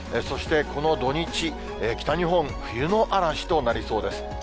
そしてこの土日、北日本、冬の嵐となりそうです。